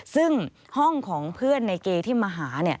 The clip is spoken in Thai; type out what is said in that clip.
ซึ่งห้องของเพื่อนในเกที่มาหา